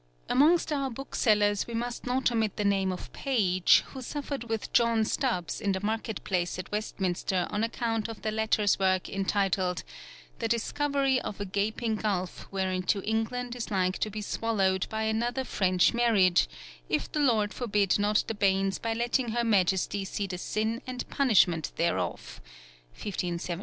Amongst our booksellers we must not omit the name of Page, who suffered with John Stubbs in the market place at Westminster on account of the latter's work entitled _The Discoverie of a Gaping Gulf whereinto England is like to be swallowed by another French marriage, if the Lord forbid not the banes by letting her Majestie see the sin and punishment thereof_ (1579).